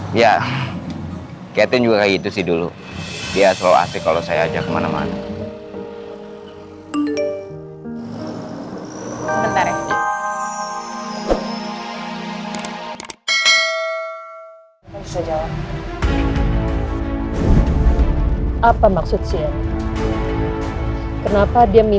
biar lah rahasia malika ini saya pegang sendiri